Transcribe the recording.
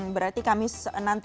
berarti kamis nanti